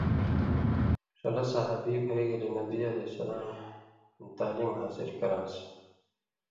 ݜلہ صحابہ بھئ گلے نبی علیہ السلام نہ تعلیم حاصل کران٘س